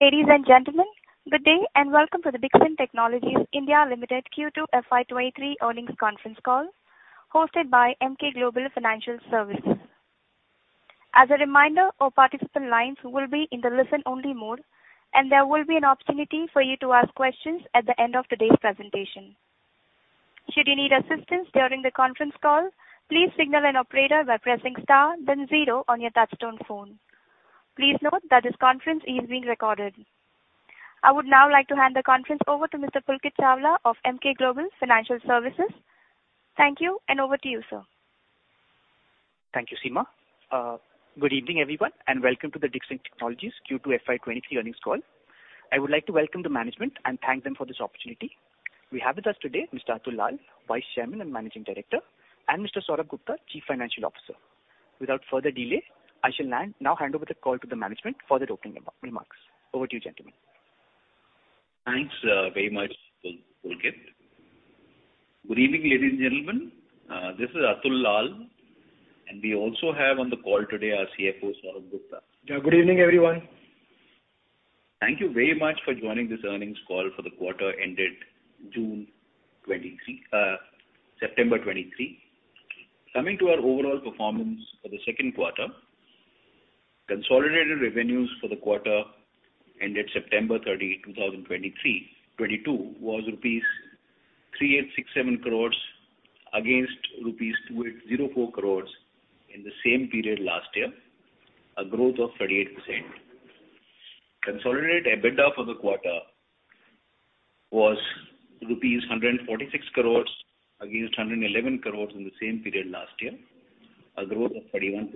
Ladies and gentlemen, good day and welcome to the Dixon Technologies India Limited Q2 FY 2023 earnings conference call hosted by Emkay Global Financial Services. As a reminder, all participant lines will be in the listen-only mode, and there will be an opportunity for you to ask questions at the end of today's presentation. Should you need assistance during the conference call, please signal an operator by pressing star then zero on your touchtone phone. Please note that this conference is being recorded. I would now like to hand the conference over to Mr. Pulkit Chawla of Emkay Global Financial Services. Thank you, and over to you, sir. Thank you, Seema. Good evening, everyone, and welcome to the Dixon Technologies Q2 FY23 earnings call. I would like to welcome the management and thank them for this opportunity. We have with us today Mr. Atul Lall, Vice Chairman and Managing Director, and Mr. Saurabh Gupta, Chief Financial Officer. Without further delay, I shall now hand over the call to the management for the opening remarks. Over to you, gentlemen. Thanks, very much, Pulkit. Good evening, ladies and gentlemen. This is Atul Lall, and we also have on the call today our CFO, Saurabh Gupta. Yeah, good evening, everyone. Thank you very much for joining this earnings call for the quarter ended September 2023. Coming to our overall performance for the second quarter, consolidated revenues for the quarter ended September 30th, 2023, was rupees 3,867 crores against rupees 2,804 crores in the same period last year, a growth of 38%. Consolidated EBITDA for the quarter was rupees 146 crores against 111 crores in the same period last year, a growth of 31%.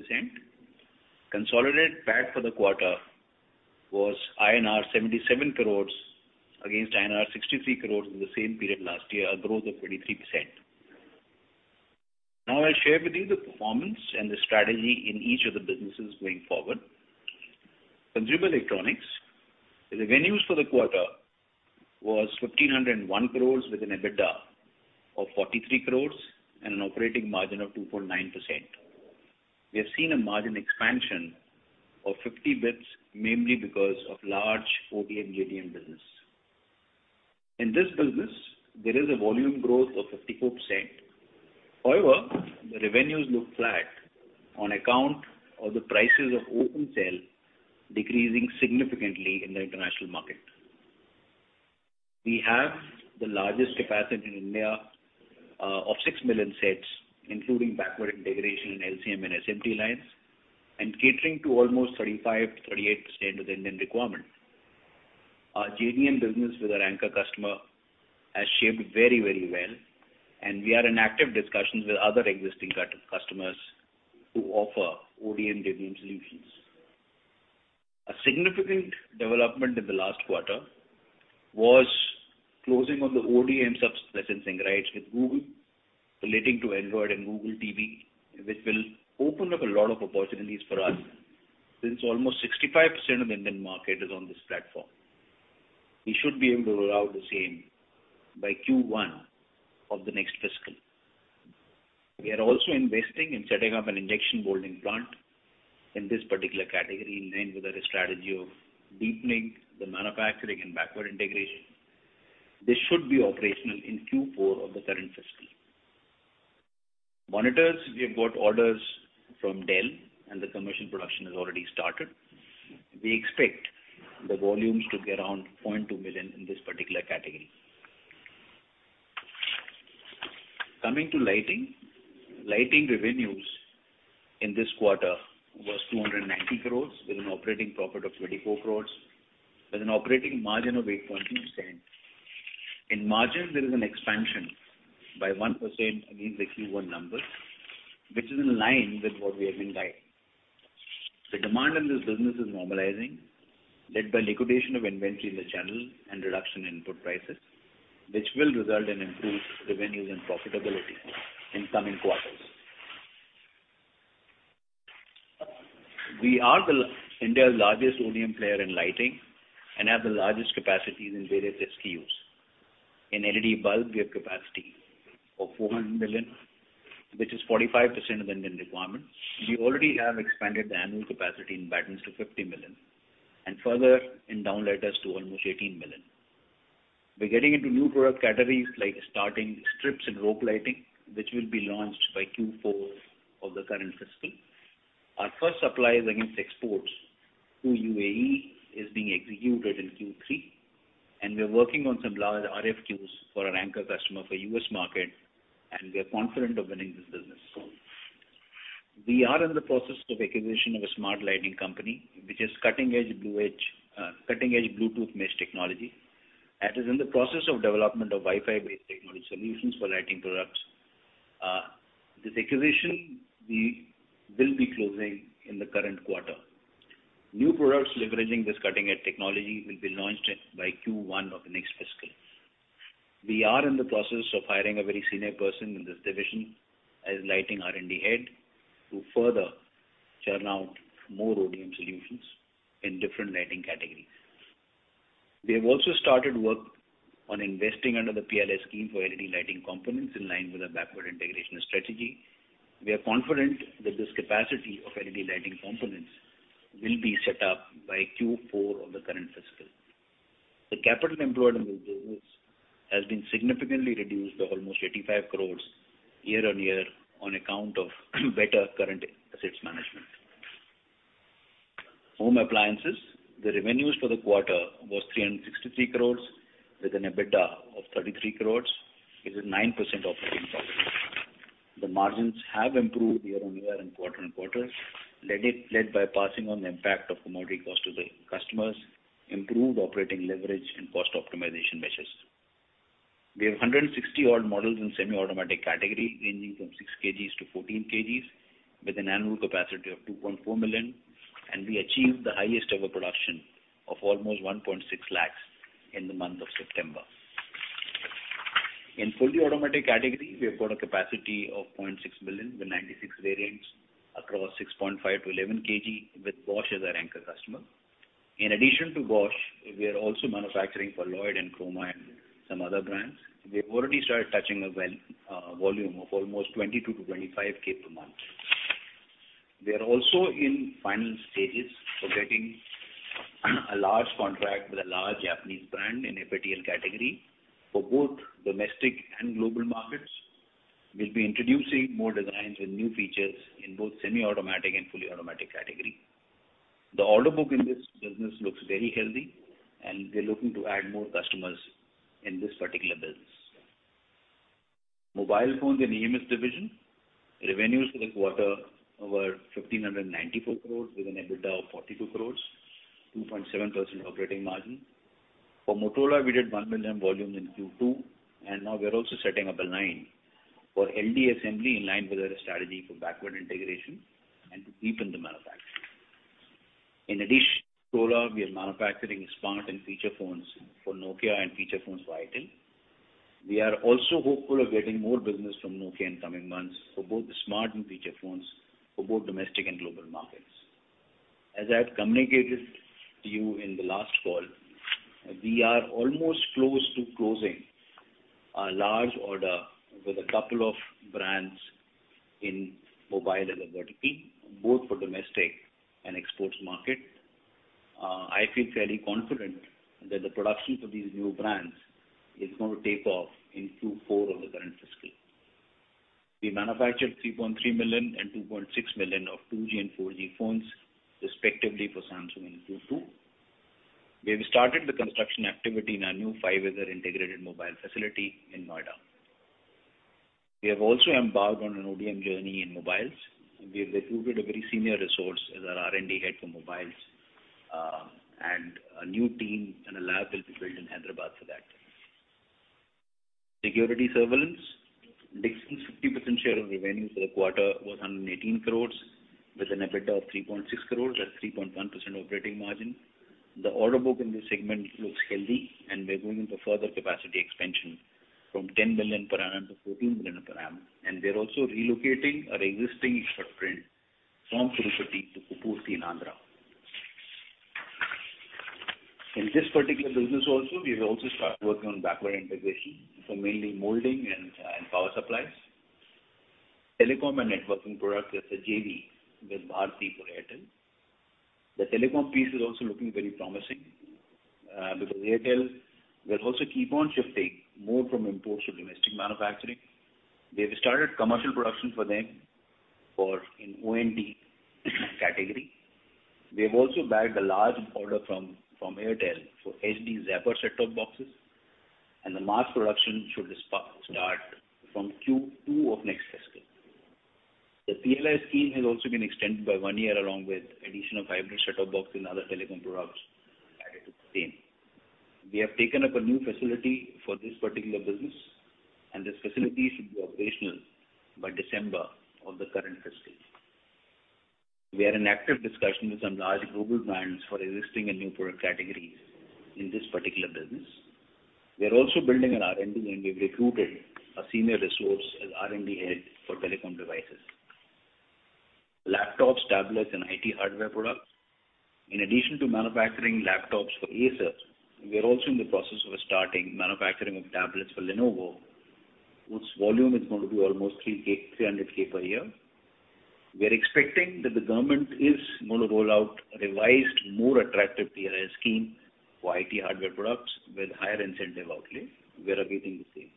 Consolidated PAT for the quarter was INR 77 crores against INR 63 crores in the same period last year, a growth of 23%. Now I'll share with you the performance and the strategy in each of the businesses going forward. Consumer electronics, the revenues for the quarter were 1,501 crores with an EBITDA of 43 crores and an operating margin of 2.9%. We have seen a margin expansion of 50 basis points, mainly because of large ODM/JDM business. In this business, there is a volume growth of 54%. However, the revenues look flat on account of the prices of open cell decreasing significantly in the international market. We have the largest capacity in India of 6 million sets, including backward integration in LCM and SMT lines and catering to almost 35%-38% of the Indian requirement. Our JDM business with our anchor customer has shaped up very well, and we are in active discussions with other existing customers to offer ODM/JDM solutions. A significant development in the last quarter was closing on the ODM licensing rights with Google relating to Android and Google TV, which will open up a lot of opportunities for us since almost 65% of the Indian market is on this platform. We should be able to roll out the same by Q1 of the next fiscal. We are also investing in setting up an injection molding plant in this particular category in line with our strategy of deepening the manufacturing and backward integration. This should be operational in Q4 of the current fiscal. Monitors, we have got orders from Dell and the commercial production has already started. We expect the volumes to be around 0.2 million in this particular category. Coming to lighting. Lighting revenues in this quarter was 290 crores with an operating profit of 24 crores with an operating margin of 8.2%. In margin, there is an expansion by 1% against the Q1 numbers, which is in line with what we have been guiding. The demand in this business is normalizing, led by liquidation of inventory in the channel and reduction in input prices, which will result in improved revenues and profitability in coming quarters. We are India's largest ODM player in lighting and have the largest capacities in various SKUs. In LED bulb, we have capacity of 400 million, which is 45% of the Indian requirement. We already have expanded the annual capacity in battens to 50 million and further in downlighters to almost 18 million. We're getting into new product categories like starting strips and rope lighting, which will be launched by Q4 of the current fiscal. Our first supplies against exports to U.A.E. is being executed in Q3, and we're working on some large RFQs for our anchor customer for U.S. market, and we are confident of winning this business. We are in the process of acquisition of a smart lighting company which is cutting-edge Bluetooth mesh technology and is in the process of development of Wi-Fi-based technology solutions for lighting products. This acquisition we will be closing in the current quarter. New products leveraging this cutting-edge technology will be launched by Q1 of next fiscal. We are in the process of hiring a very senior person in this division as lighting R&D head to further churn out more ODM solutions in different lighting categories. We have also started work on investing under the PLI scheme for LED lighting components in line with our backward integration strategy. We are confident that this capacity of LED lighting components will be set up by Q4 of the current fiscal. The capital employed in this business has been significantly reduced to almost 85 crores year-on-year on account of better current assets management. Home appliances. The revenues for the quarter was 363 crores with an EBITDA of 33 crores, giving 9% operating profit. The margins have improved year-on-year and quarter-on-quarter, led by passing on the impact of commodity cost to the customers, improved operating leverage and cost optimization measures. We have 160-odd models in semi-automatic category, ranging from 6 kg-4 kg with an annual capacity of 2.4 million, and we achieved the highest ever production of almost 1.6 lakh in the month of September. In fully automatic category, we have got a capacity of 0.6 million with 96 variants across 6.5kg-11 kg, with Bosch as our anchor customer. In addition to Bosch, we are also manufacturing for Lloyd and Croma and some other brands. We have already started touching a volume of almost 22k-25k per month. We are also in final stages for getting a large contract with a large Japanese brand in FATL category for both domestic and global markets. We'll be introducing more designs with new features in both semi-automatic and fully automatic category. The order book in this business looks very healthy, and we're looking to add more customers in this particular business. Mobile phones and EMS division. Revenues for the quarter were 1,594 crores with an EBITDA of 42 crores, 2.7% operating margin. For Motorola, we did 1 million volumes in Q2, and now we are also setting up a line for LCD assembly in line with our strategy for backward integration and to deepen the manufacturing. In addition to Motorola, we are manufacturing smart and feature phones for Nokia and feature phones for Airtel. We are also hopeful of getting more business from Nokia in coming months for both the smart and feature phones for both domestic and global markets. As I have communicated to you in the last call, we are almost close to closing a large order with a couple of brands in mobile and vertical, both for domestic and exports market. I feel fairly confident that the production for these new brands is going to take off in Q4 of the current fiscal. We manufactured 3.3 million and 2.6 million of 2G and 4G phones, respectively, for Samsung in Q2. We have started the construction activity in our new 5-acre integrated mobile facility in Noida. We have also embarked on an ODM journey in mobiles. We have recruited a very senior resource as our R&D head for mobiles, and a new team and a lab will be built in Hyderabad for that. Security surveillance. Dixon's 50% share of revenue for the quarter was 118 crores with an EBITDA of 3.6 crores at 3.1% operating margin. The order book in this segment looks healthy, and we're going into further capacity expansion from 10 million per annum to 14 million per annum, and we are also relocating our existing footprint from Sri City to Kopparthi in Andhra. In this particular business also, we have also started working on backward integration for mainly molding and power supplies. Telecom and networking products is a JV with Bharti for Airtel. The telecom piece is also looking very promising, because Airtel will also keep on shifting more from imports to domestic manufacturing. We have started commercial production for them in ODM category. We have also bagged a large order from Airtel for HD Zapper set-top boxes, and the mass production should start from Q2 of next fiscal. The PLI scheme has also been extended by one year along with addition of hybrid set-top box and other telecom products added to the same. We have taken up a new facility for this particular business, and this facility should be operational by December of the current fiscal. We are in active discussions with some large global brands for existing and new product categories in this particular business. We are also building an R&D, and we've recruited a senior resource as R&D head for telecom devices. Laptops, tablets, and IT hardware products. In addition to manufacturing laptops for Acer, we are also in the process of starting manufacturing of tablets for Lenovo, whose volume is going to be almost 300k per year. We are expecting that the government is gonna roll out a revised, more attractive PLI scheme for IT hardware products with higher incentive outlay. We are awaiting the same.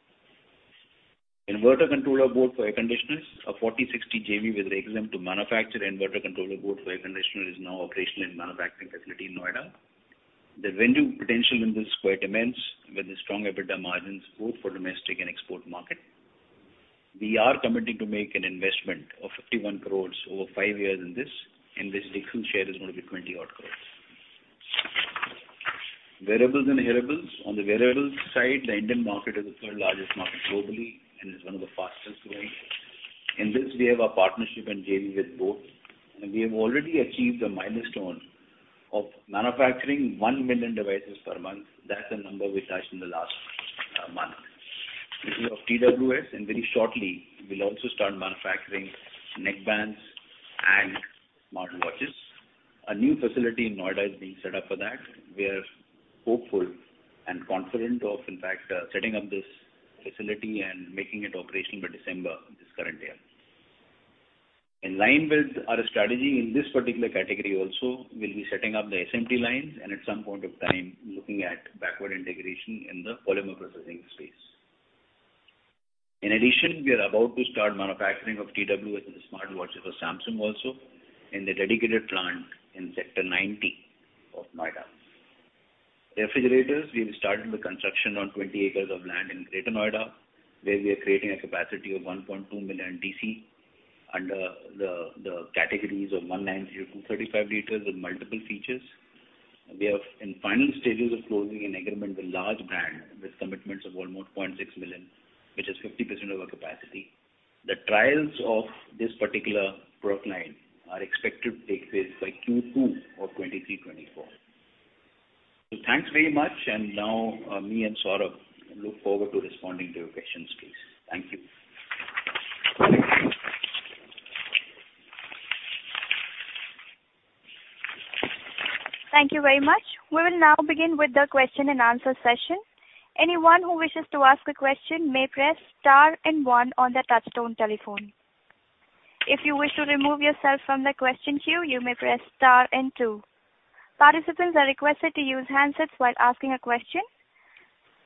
Inverter control board for air conditioners. A 40-60 JV with Rexxam to manufacture inverter controller board for air conditioner is now operational in manufacturing facility in Noida. The revenue potential in this is quite immense, with the strong EBITDA margins both for domestic and export market. We are committing to make an investment of 51 crores over five years in this, and this Dixon share is going to be 20-odd crores. Wearables and hearables. On the wearables side, the Indian market is the third largest market globally and is one of the fastest growing. In this, we have a partnership and JV with boAt, and we have already achieved a milestone of manufacturing 1 million devices per month. That's the number we touched in the last lot of TWS, and very shortly, we'll also start manufacturing neckbands and smart watches. A new facility in Noida is being set up for that. We are hopeful and confident of in fact, setting up this facility and making it operational by December this current year. In line with our strategy in this particular category also, we'll be setting up the SMT lines and at some point of time looking at backward integration in the polymer processing space. In addition, we are about to start manufacturing of TWS and the smart watches for Samsung also in a dedicated plant in Sector 90 of Noida. Refrigerators, we have started the construction on 20 acres of land in Greater Noida, where we are creating a capacity of 1.2 million DC under the categories of 190 L to 235 L with multiple features. We are in final stages of closing an agreement with large brand with commitments of almost 0.6 million, which is 50% of our capacity. The trials of this particular product line are expected to take place by Q2 of 2023-2024. Thanks very much, and now, me and Saurabh look forward to responding to your questions please. Thank you. Thank you very much. We will now begin with the question-and-answer session. Anyone who wishes to ask a question may press star and one on their touch-tone telephone. If you wish to remove yourself from the question queue, you may press star and two. Participants are requested to use handsets while asking a question.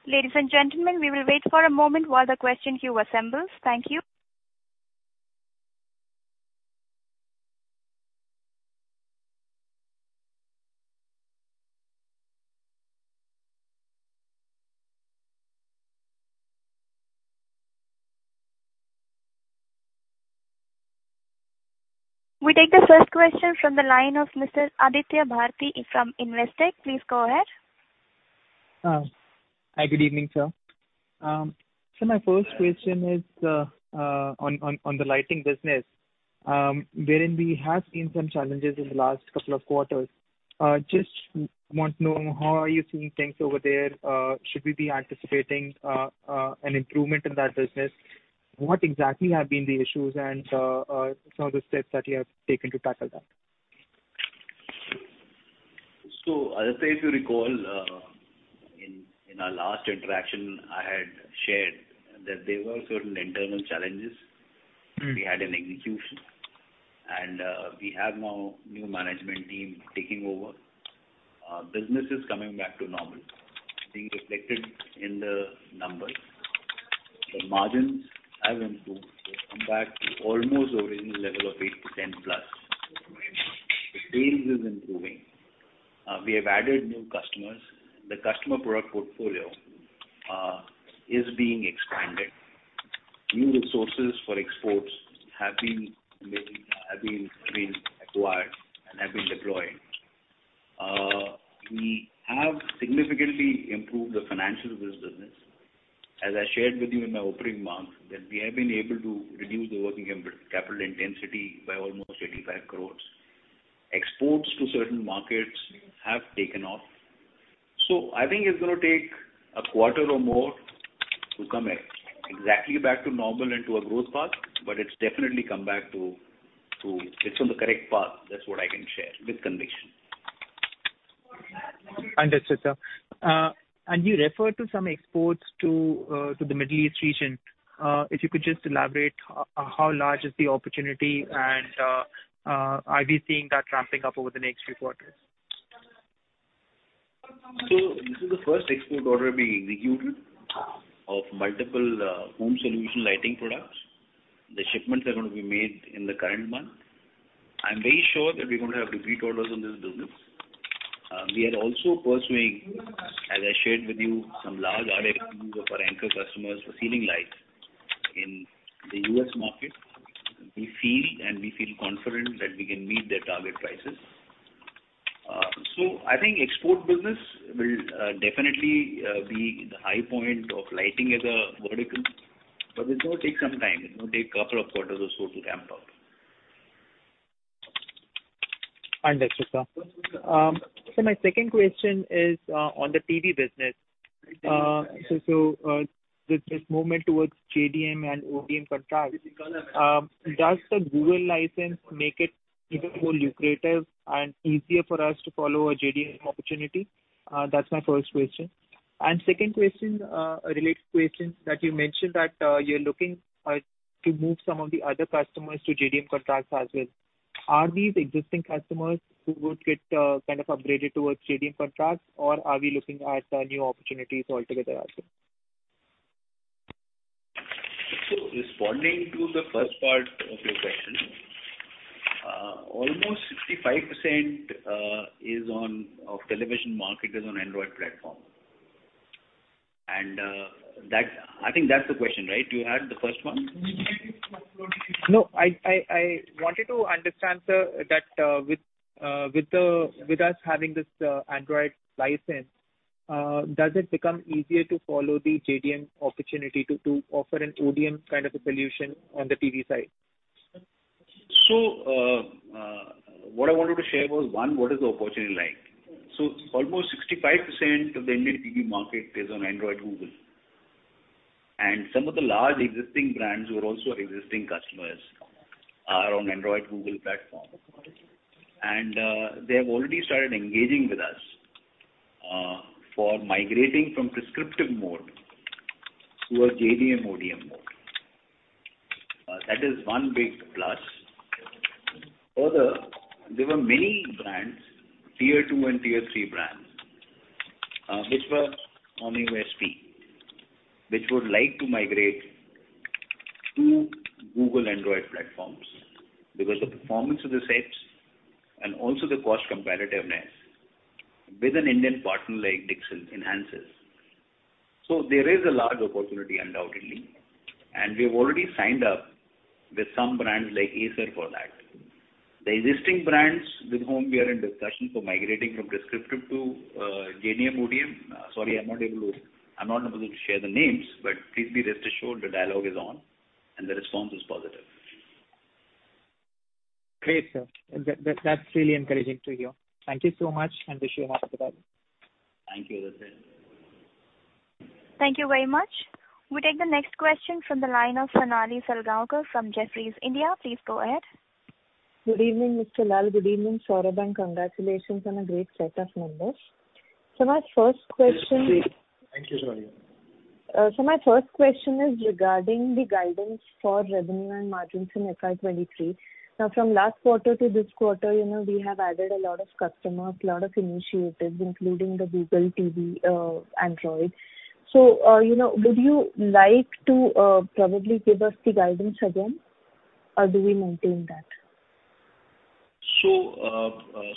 Ladies and gentlemen, we will wait for a moment while the question queue assembles. Thank you. We take the first question from the line of Mr. Aditya Bhartia from Investec. Please go ahead. Hi. Good evening, sir. My first question is on the lighting business, wherein we have seen some challenges in the last couple of quarters. Just want to know how are you seeing things over there? Should we be anticipating an improvement in that business? What exactly have been the issues and some of the steps that you have taken to tackle that? Aditya, if you recall, in our last interaction, I had shared that there were certain internal challenges. Mm-hmm. We had in execution. We have now new management team taking over. Business is coming back to normal, being reflected in the numbers. The margins have improved to come back to almost original level of 8%-10%+. The sales is improving. We have added new customers. The customer product portfolio is being expanded. New resources for exports have been acquired and have been deployed. We have significantly improved the financials of this business. As I shared with you in my opening remarks, we have been able to reduce the working capital intensity by almost 85 crore. Exports to certain markets have taken off. I think it's gonna take a quarter or more to come exactly back to normal and to a growth path, but it's definitely come back to. It's on the correct path. That's what I can share with conviction. Understood, sir. You referred to some exports to the Middle East region. If you could just elaborate how large is the opportunity and are we seeing that ramping up over the next few quarters? This is the first export order being executed of multiple home solution lighting products. The shipments are gonna be made in the current month. I'm very sure that we're gonna have repeat orders on this business. We are also pursuing, as I shared with you, some large RFQs of our anchor customers for ceiling lights in the U.S. market. We feel confident that we can meet their target prices. I think export business will definitely be the high point of lighting as a vertical, but it's gonna take some time. It'll take couple of quarters or so to ramp up. Understood, sir. My second question is on the TV business. With this movement towards JDM and ODM contracts, does the Google license make it even more lucrative and easier for us to follow a JDM opportunity? That's my first question. Second question, a related question that you mentioned that you're looking to move some of the other customers to JDM contracts as well. Are these existing customers who would get kind of upgraded towards JDM contracts, or are we looking at new opportunities altogether as well? Responding to the first part of your question, almost 65% of television market is on Android platform. That I think that's the question, right? You had the first one. No, I wanted to understand, sir, that with us having this Android license, does it become easier to follow the JDM opportunity to offer an ODM kind of a solution on the TV side? What I wanted to share was, one, what is the opportunity like? Almost 65% of the Indian TV market is on Android Google. Some of the large existing brands who are also existing customers are on Android Google platform. They have already started engaging with us for migrating from prescriptive mode to a JDM/ODM mode. That is one big plus. Further, there were many brands, tier two and tier three brands, which were on USP, which would like to migrate to Google Android platforms because the performance of the sets and also the cost competitiveness with an Indian partner like Dixon enhances. There is a large opportunity undoubtedly, and we have already signed up with some brands like Acer for that. The existing brands with whom we are in discussion for migrating from prescriptive to JDM/ODM. Sorry, I'm not able to share the names, but please be rest assured the dialogue is on and the response is positive. Great, sir. That, that's really encouraging to hear. Thank you so much, and wish you more success. Thank you, Aditya. Thank you very much. We take the next question from the line of Sonali Salgaonkar from Jefferies India. Please go ahead. Good evening, Mr. Lall. Good evening, Saurabh, and congratulations on a great set of numbers. My first question. Thank you, Sonali. My first question is regarding the guidance for revenue and margins in FY 2023. Now, from last quarter to this quarter, you know, we have added a lot of customers, lot of initiatives, including the Google TV, Android. You know, would you like to probably give us the guidance again, or do we maintain that?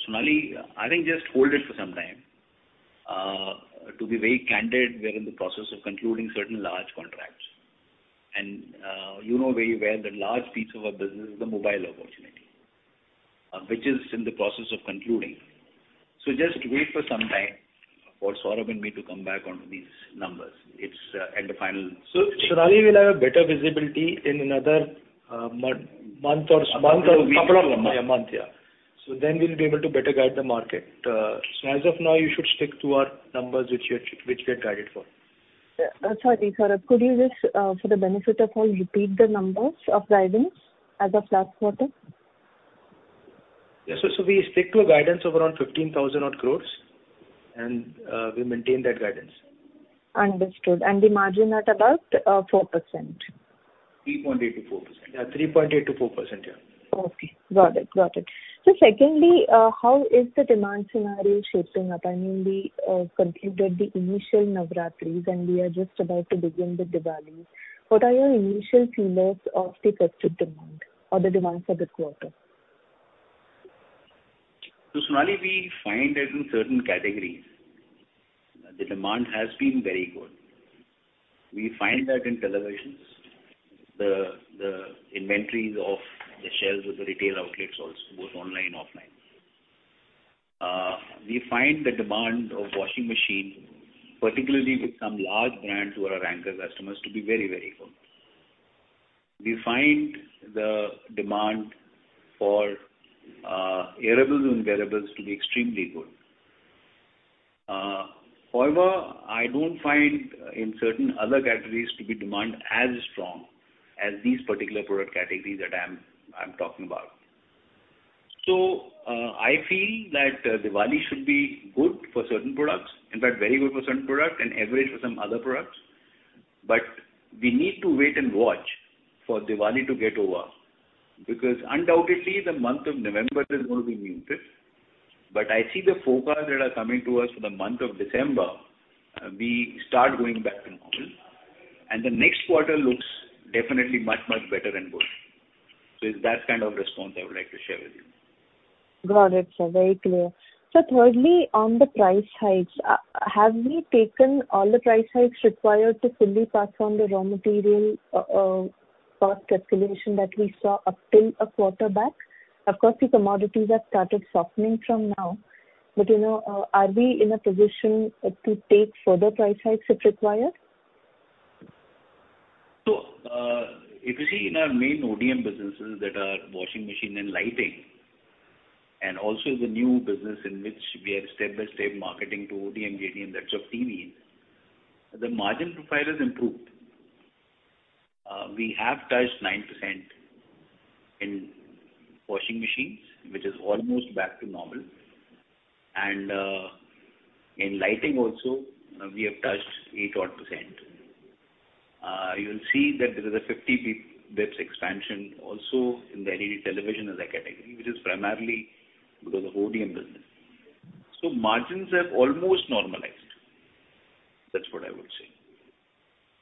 Sonali, I think just hold it for some time. To be very candid, we are in the process of concluding certain large contracts. You know very well that large piece of our business is the mobile opportunity, which is in the process of concluding. Just wait for some time for Saurabh and me to come back on these numbers. It's at the final stage. Sonali, we'll have better visibility in another month or so. Couple of months. Yeah, month, yeah. We'll be able to better guide the market. As of now, you should stick to our numbers which we had guided for. Sorry, Saurabh. Could you just, for the benefit of all, repeat the numbers of guidance as of last quarter? Yes. We stick to a guidance of around 15,000-odd crore and we maintain that guidance. Understood. The margin at about 4%. 3.8%-4%. Yeah, 3.8%-4%, yeah. Okay. Got it. Secondly, how is the demand scenario shaping up? I mean, we concluded the initial Navratri, then we are just about to begin the Diwali. What are your initial feelings of the festive demand or the demand for this quarter? Sonali, we find that in certain categories, the demand has been very good. We find that in televisions, the inventories off the shelves of the retail outlets also, both online and offline. We find the demand of washing machine, particularly with some large brands who are our anchor customers, to be very, very good. We find the demand for hearables and wearables to be extremely good. However, I don't find the demand in certain other categories to be as strong as these particular product categories that I'm talking about. I feel that Diwali should be good for certain products, in fact very good for certain products and average for some other products. We need to wait and watch for Diwali to get over, because undoubtedly the month of November is gonna be muted. I see the forecast that are coming to us for the month of December, we start going back to normal, and the next quarter looks definitely much, much better and good. It's that kind of response I would like to share with you. Got it, sir. Very clear. Thirdly, on the price hikes, have we taken all the price hikes required to fully pass on the raw material cost calculation that we saw up till a quarter back? Of course, the commodities have started softening from now, but, you know, are we in a position to take further price hikes if required? If you see in our main ODM businesses that are washing machine and lighting, and also the new business in which we are step-by-step marketing to ODM/JDM, that's of TV, the margin profile has improved. We have touched 9% in washing machines, which is almost back to normal. In lighting also, we have touched 8% odd. You'll see that there is a 50 basis points expansion also in the LED television as a category, which is primarily because of ODM business. Margins have almost normalized. That's what I would say.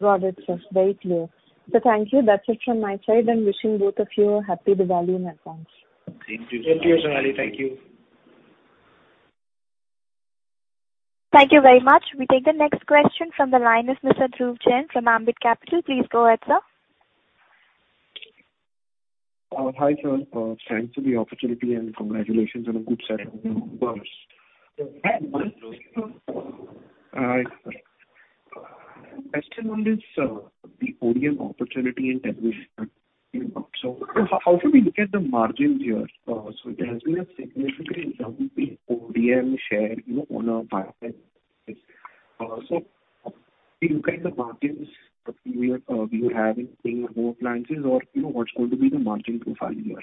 Got it, sir. Very clear. Thank you. That's it from my side. I'm wishing both of you a happy Diwali in advance. Thank you, Sonali. Thank you, Sonali. Thank you. Thank you very much. We take the next question from the line of Mr. Dhruv Jain from Ambit Capital. Please go ahead, sir. Hi, sir. Thanks for the opportunity and congratulations on a good set of numbers. Hi. Question on this, the OEM opportunity in television. How should we look at the margins here? There has been a significant jump in OEM share, you know. Can you look at the margins we were having in home appliances or, you know, what's going to be the margin profile here?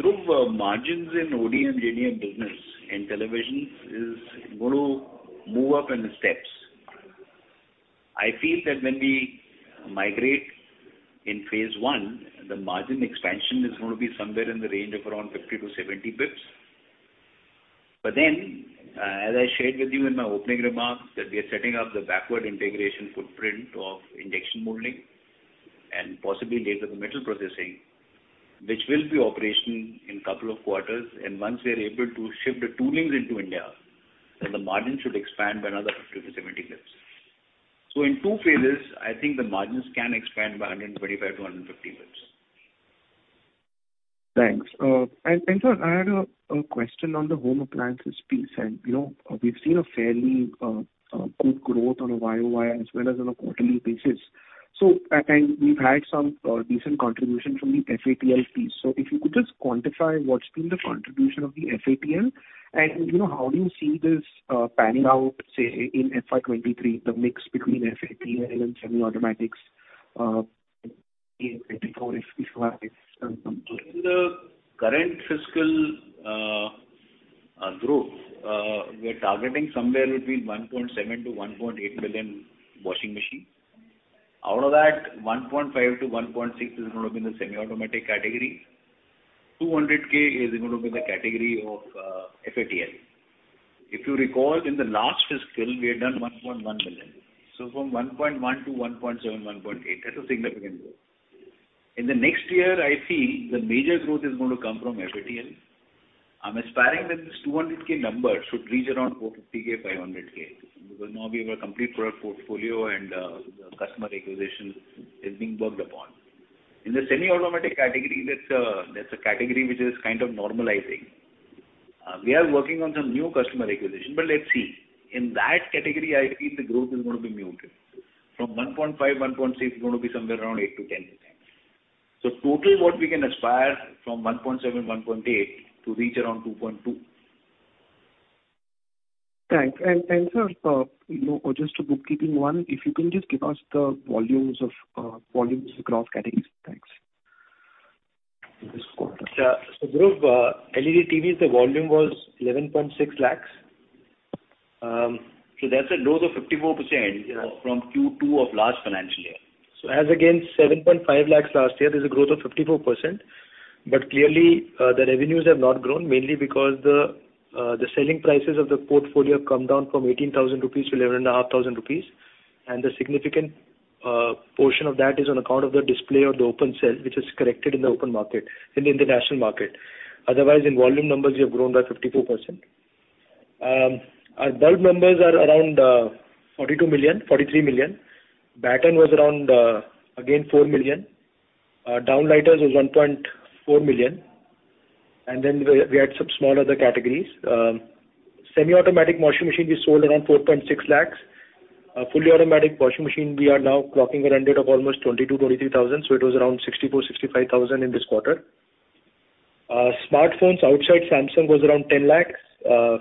Dhruv, margins in ODM/OEM business in televisions is going to move up in steps. I feel that when we migrate in phase one, the margin expansion is going to be somewhere in the range of around 50-70 basis points. As I shared with you in my opening remarks, that we are setting up the backward integration footprint of injection molding and possibly laser metal processing, which will be operational in couple of quarters. Once we are able to shift the toolings into India, then the margin should expand by another 50-70 basis points. In two phases, I think the margins can expand by 125-150 basis points. Thanks. And sir, I had a question on the home appliances piece. You know, we've seen a fairly good growth on a YOY as well as on a quarterly basis. And we've had some decent contribution from the FATL piece. If you could just quantify what's been the contribution of the FATL and, you know, how do you see this panning out, say, in FY 2023, the mix between FATL and semi-automatics in 2024 if you have it. In the current fiscal, growth, we're targeting somewhere between 1.7-1.8 million washing machines. Out of that, 1.5-1.6 is going to be in the semi-automatic category. 200K is going to be the category of FATL. If you recall, in the last fiscal we had done 1.1 million. From 1.1 to 1.7-1.8, that's a significant growth. In the next year, I feel the major growth is going to come from FATL. I'm aspiring that this 200K number should reach around 450K-500K, because now we have a complete product portfolio and the customer acquisition is being worked upon. In the semi-automatic category, that's a category which is kind of normalizing. We are working on some new customer acquisition, but let's see. In that category, I feel the growth is gonna be muted. From 1.5, 1.6, it's gonna be somewhere around 8%-10%. Total what we can aspire from 1.7, 1.8 to reach around 2.2. Thanks. Sir, you know, just a bookkeeping one. If you can just give us the volumes of growth categories. Thanks. In this quarter. Yeah. Dhruv, LED TVs, the volume was 11.6 lakhs. That's a growth of 54% from Q2 of last financial year. As against 7.5 lakhs last year, there's a growth of 54%. But clearly, the revenues have not grown, mainly because the selling prices of the portfolio have come down from 18,00-11,500 rupees. And the significant portion of that is on account of the display or the open cell, which is corrected in the open market, in the international market. Otherwise, in volume numbers, we have grown by 54%. Our bulb numbers are around 42 million, 43 million. Batten was around, again, 4 million. Downlighters was 1.4 million. And then we had some small other categories. Semi-automatic washing machine, we sold around 4.6 lakh. Fully automatic washing machine, we are now clocking a run rate of almost 22-23 thousand, so it was around 64-65 thousand in this quarter. Smartphones outside Samsung was around 10 lakh.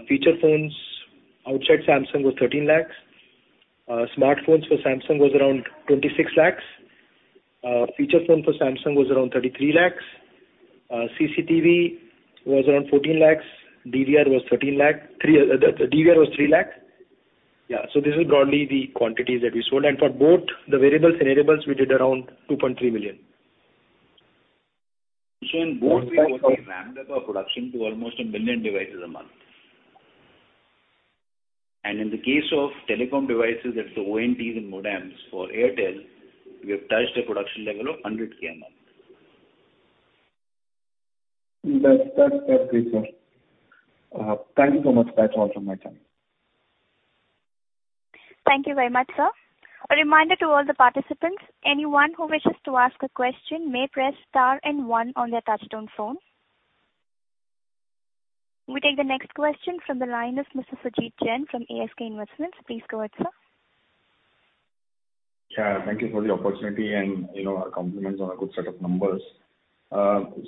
Feature phones outside Samsung was 13 lakh. Smartphones for Samsung was around 26 lakh. Feature phone for Samsung was around 33 lakh. CCTV was around 14 lakh. DVR was 3 lakh. This is broadly the quantities that we sold. For both the wearables and hearables, we did around 2.3 million. In both we've almost ramped up our production to almost 1 million devices a month. In the case of telecom devices, that's the ONTs and modems for Airtel, we have touched a production level of 100K a month. That's great, sir. Thank you so much. That's all from my time. Thank you very much, sir. A reminder to all the participants, anyone who wishes to ask a question may press star and one on their touchtone phone. We take the next question from the line of Mr. Sujit Jain from ASK Investment Managers. Please go ahead, sir. Yeah, thank you for the opportunity and, you know, our compliments on a good set of numbers.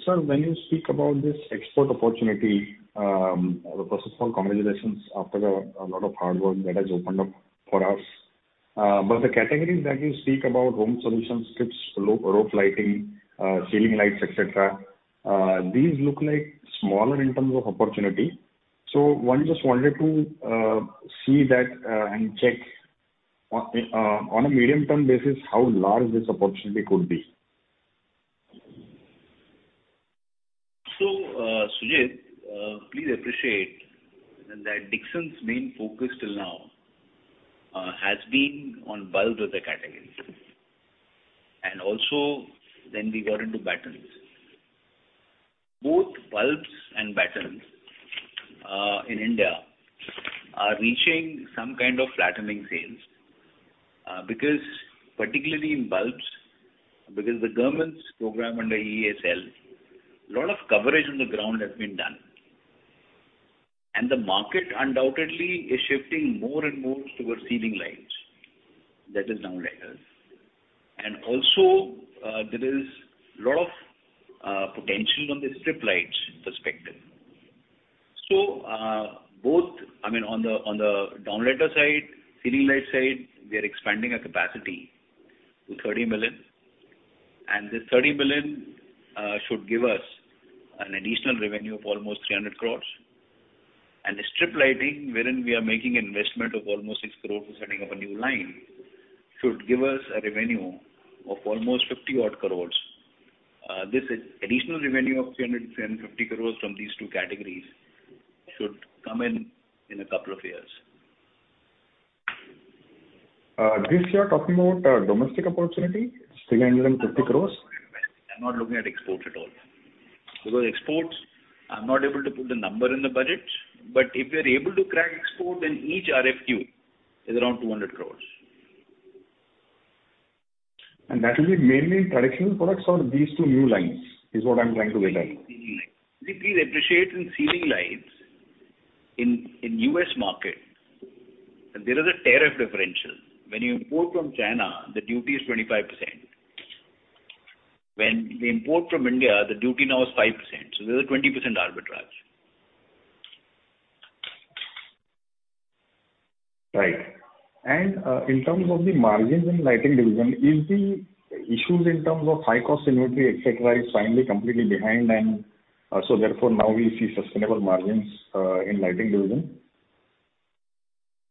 Sir, when you speak about this export opportunity, first of all, congratulations. After a lot of hard work that has opened up for us. But the categories that you speak about, home solutions, kits, rope lighting, ceiling lights, et cetera, these look like smaller in terms of opportunity. One just wanted to see that and check on a medium-term basis, how large this opportunity could be. Sujit, please appreciate that Dixon's main focus till now has been on bulbs as a category. We got into battens. Both bulbs and battens in India are reaching some kind of flattening sales. Because particularly in bulbs, the government's program under EESL, a lot of coverage on the ground has been done. The market undoubtedly is shifting more and more towards ceiling lights. That is downlighters. There is a lot of potential on the strip lights perspective. Both, I mean, on the downlighter side, ceiling light side, we are expanding our capacity to 30 million. This 30 million should give us an additional revenue of almost 300 crores. The strip lighting, wherein we are making investment of almost 6 crore for setting up a new line, should give us a revenue of almost 50-odd crore. This additional revenue of 350 crore from these two categories should come in a couple of years. This you are talking about, domestic opportunity, 350 crores? I'm not looking at export at all. Because exports, I'm not able to put the number in the budget. If we are able to crack export, then each RFQ is around 200 crore. That will be mainly traditional products or these two new lines, is what I'm trying to get at. Ceiling lights. You see, please appreciate in ceiling lights, in U.S. market, there is a tariff differential. When you import from China, the duty is 25%. When we import from India, the duty now is 5%, so there's a 20% arbitrage. Right. In terms of the margins in lighting division, is the issues in terms of high cost inventory, et cetera, is finally completely behind and, so therefore now we see sustainable margins, in lighting division?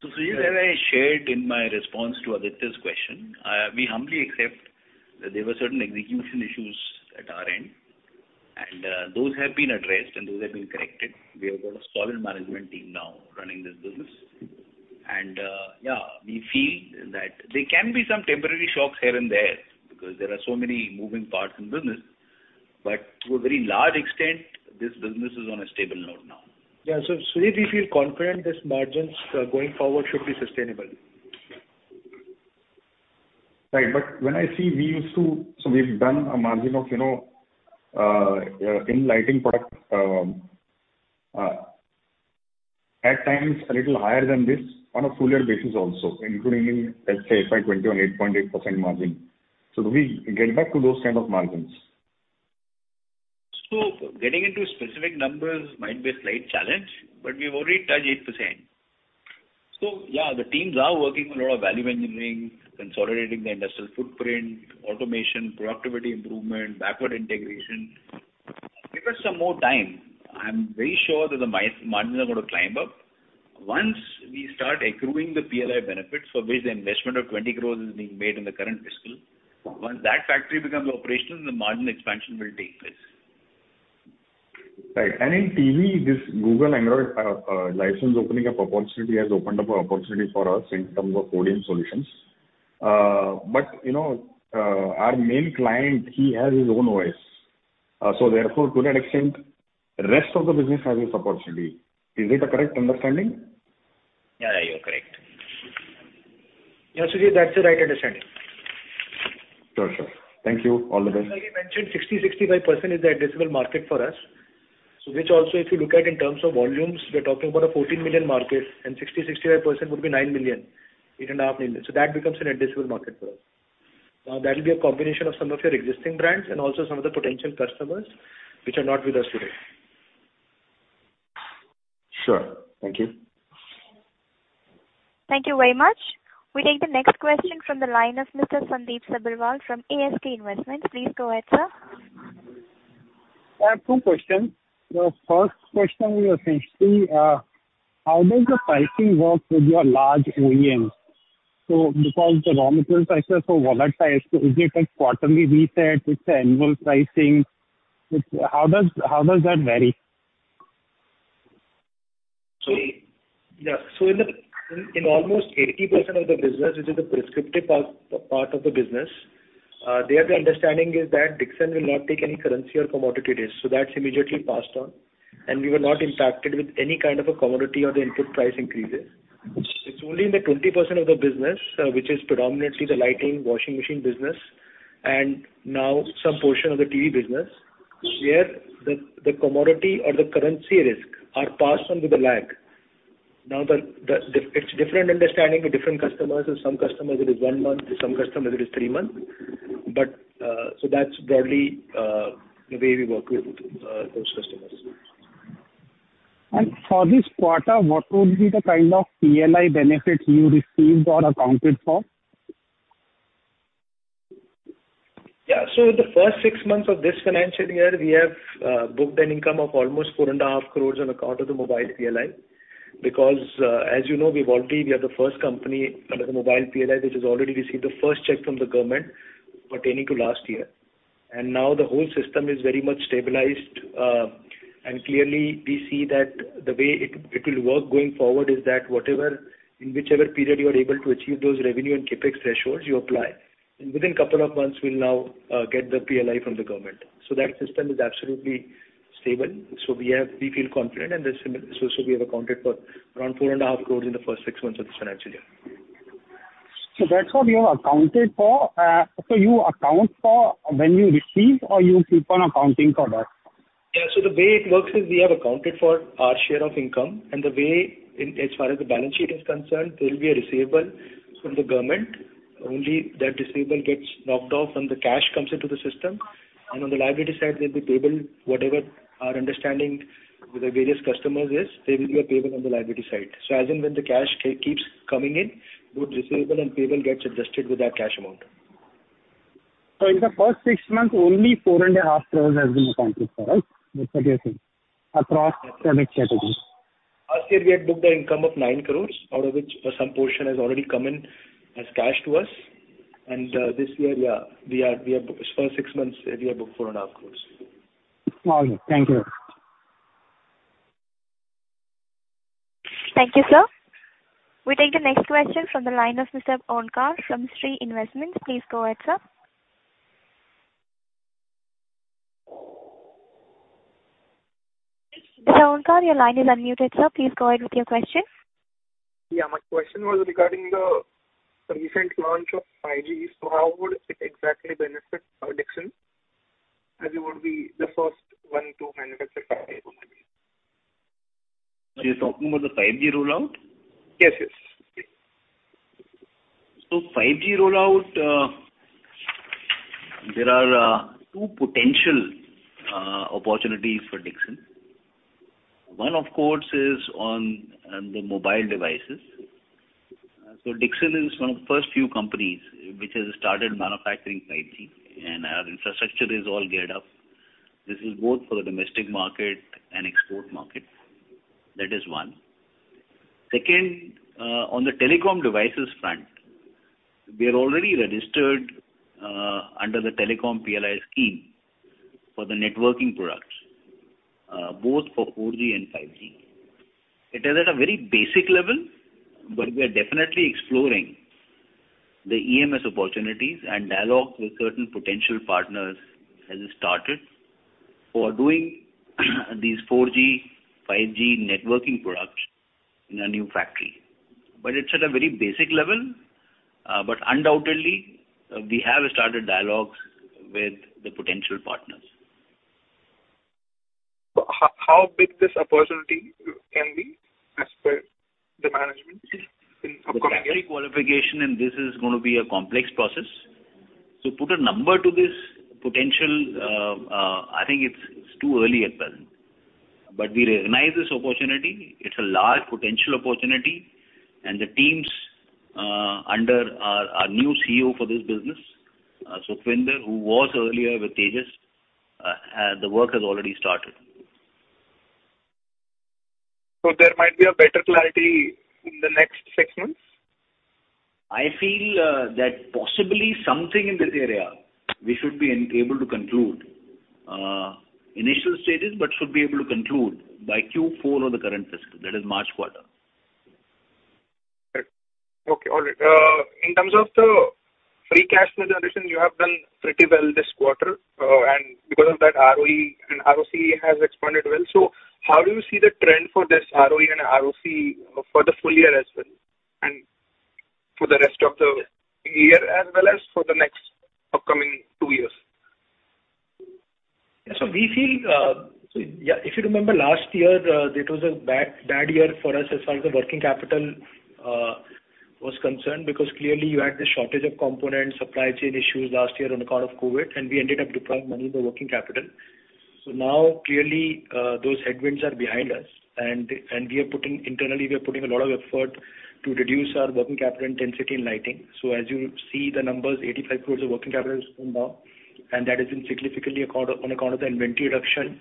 Sujit, as I shared in my response to Aditya's question, we humbly accept that there were certain execution issues at our end, and those have been addressed and those have been corrected. We have got a solid management team now running this business. We feel that there can be some temporary shocks here and there because there are so many moving parts in business. To a very large extent, this business is on a stable note now. Yeah. Sujit, we feel confident this margins going forward should be sustainable. Right. When I see we used to. We've done a margin of, you know, in lighting products, at times a little higher than this on a full year basis also, including in, let's say, FY 2021, 8.8% margin. Do we get back to those kinds of margins? Getting into specific numbers might be a slight challenge, but we've already touched 8%. Yeah, the teams are working on a lot of value engineering, consolidating the industrial footprint, automation, productivity improvement, backward integration. Give us some more time. I'm very sure that the margins are gonna climb up. Once we start accruing the PLI benefits for which the investment of 20 crores is being made in the current fiscal, once that factory becomes operational, the margin expansion will take place. Right. In TV, this Google Android license opening up opportunity has opened up an opportunity for us in terms of ODM solutions. You know, our main client, he has his own OS. Therefore, to that extent, rest of the business has this opportunity. Is it a correct understanding? Yeah, you are correct. Yeah, Sujit, that's the right understanding. Sure, sure. Thank you. All the best. Sujit, I mentioned 60%-65% is the addressable market for us. Which also, if you look at in terms of volumes, we're talking about a 14 million market, and 60%-65% would be 9 million, 8.5 million. That becomes an addressable market for us. That'll be a combination of some of your existing brands and also some of the potential customers which are not with us today. Sure. Thank you. Thank you very much. We take the next question from the line of Mr. Sandip Sabharwal from ASK Investment Managers. Please go ahead, sir. I have two questions. The first question will be essentially, how does the pricing work with your large OEMs? Because the raw material prices are so volatile, so is it a quarterly reset? It's an annual pricing? How does that vary? In almost 80% of the business, which is the prescriptive part of the business, there the understanding is that Dixon will not take any currency or commodity risk, so that's immediately passed on. We were not impacted with any kind of a commodity or the input price increases. It's only in the 20% of the business, which is predominantly the lighting, washing machine business, and now some portion of the TV business, where the commodity or the currency risk are passed on with a lag. It's different understanding with different customers. With some customers it is one month, with some customers it is three months. That's broadly the way we work with those customers. For this quarter, what would be the kind of PLI benefit you received or accounted for? Yeah. The first six months of this financial year, we have booked an income of almost four and a half crores on account of the mobile PLI. Because, as you know, we are the first company under the mobile PLI which has already received the first check from the government pertaining to last year. The whole system is very much stabilized. Clearly, we see that the way it will work going forward is that whatever, in whichever period you are able to achieve those revenue and CapEx thresholds, you apply. Within couple of months, we'll now get the PLI from the government. That system is absolutely stable. We feel confident and this, so we have accounted for around four and a half crores in the first six months of this financial year. That's what you have accounted for. You account for when you receive or you keep on accounting for that? The way it works is we have accounted for our share of income and the way in, as far as the balance sheet is concerned, there will be a receivable from the government. Only that receivable gets knocked off when the cash comes into the system. On the liability side, there'll be payable. Whatever our understanding with the various customers is, there will be a payable on the liability side. As and when the cash keeps coming in, both receivable and payable gets adjusted with that cash amount. In the first six months, only 4.5 crore has been accounted for, right? That's what you're saying. Across segments, categories. Last year we had booked an income of 9 crore, out of which some portion has already come in as cash to us. This year we have booked INR four and a half crore in the first six months. Okay. Thank you. Thank you, sir. We take the next question from the line of Mr. Omkar from Sri Investments. Please go ahead, sir. Mr. Omkar, your line is unmuted, sir. Please go ahead with your question. Yeah, my question was regarding the recent launch of 5G. How would it exactly benefit Dixon as you would be the first one to manufacture? You're talking about the 5G rollout? Yes, yes. 5G rollout, there are two potential opportunities for Dixon. One of course is on the mobile devices. Dixon is one of the first few companies which has started manufacturing 5G, and our infrastructure is all geared up. This is both for the domestic market and export market. That is one. Second, on the telecom devices front, we are already registered under the telecom PLI scheme for the networking products, both for 4G and 5G. It is at a very basic level, but we are definitely exploring the EMS opportunities and dialogue with certain potential partners has started for doing these 4G, 5G networking products in our new factory. But it's at a very basic level. But undoubtedly, we have started dialogues with the potential partners. How big this opportunity can be as per the management in upcoming years? The factory qualification in this is gonna be a complex process. To put a number to this potential, I think it's too early at present. We recognize this opportunity. It's a large potential opportunity and the teams under our new CEO for this business, Sukhwinder, who was earlier with Tejas, the work has already started. There might be a better clarity in the next six months? I feel that possibly something in this area we should be able to conclude initial stages, but should be able to conclude by Q4 of the current fiscal, that is March quarter. Right. Okay. All right. In terms of the free cash generation, you have done pretty well this quarter. Because of that, ROE and ROC has expanded well. How do you see the trend for this ROE and ROC for the full year as well and for the rest of the year as well as for the next upcoming two years? We feel, yeah, if you remember last year, it was a bad year for us as far as the working capital was concerned because clearly you had the shortage of components, supply chain issues last year on account of COVID, and we ended up deploying money in the working capital. Now clearly, those headwinds are behind us and we are putting internally a lot of effort to reduce our working capital intensity in lighting. As you see the numbers, 85 crore of working capital has come down, and that is significantly on account of the inventory reduction,